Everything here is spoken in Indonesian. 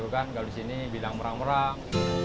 kalau di sini bilang merang merang